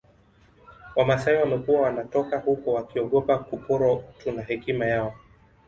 Wamasai wamekuwa wanatoka huko wakiogopa kuporwa utu na hekima yao